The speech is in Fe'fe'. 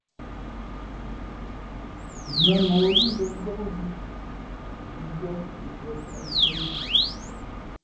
Mēmmᾱ o líʼ mbᾱ njǒkvʉ̄ mbiē tα pō sᾱʼ ncāk ǐ.